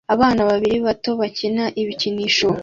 Abana babiri bato bakina ibikinisho